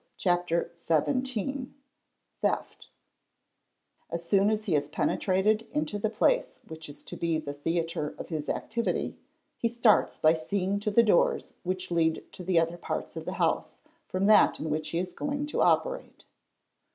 Chapter XVII "Theft ''). As soon as he has penetrated into the place which is to 'be the theatre of his activity he starts by seeing to the doors which lead to the other parts of the house from that in which he is going to operate.